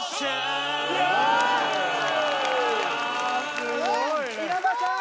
すごい稲葉さん